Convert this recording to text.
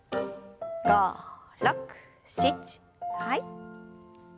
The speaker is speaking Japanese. ５６７はい。